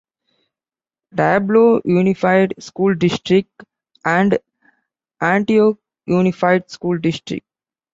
Diablo Unified School District, and Antioch Unified School District.